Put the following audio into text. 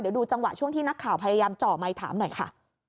เดี๋ยวดูจังหวะช่วงที่นักข่าวพยายามเจาะไมค์ถามหน่อยค่ะ